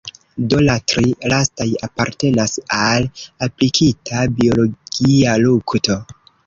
Do la tri lastaj apartenas al aplikita biologia lukto.